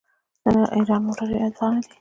د ایران موټرې ارزانه دي.